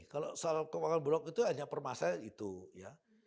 kalau soal keuangan bulog itu hanya permasalahan itu ya